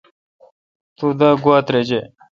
تو دا گواؙ ترجہ۔